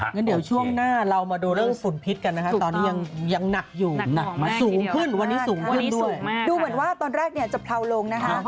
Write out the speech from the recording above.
งั้นเดี๋ยวช่วงหน้าเรามาดูเรื่องฝุ่นพิษกันนะคะตอนนี้ยังหนักอยู่หนักมากสูงขึ้นวันนี้สูงขึ้นด้วยดูเหมือนว่าตอนแรกเนี่ยจะเลาลงนะคะ